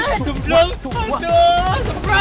semprot aduh semprot